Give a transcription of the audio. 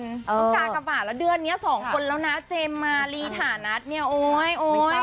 ต้องการกรรมฝ่าละเดือนนี้สองคนแล้วนะเจมมารีถานัดเนี่ยโอ๊ยโอ๊ย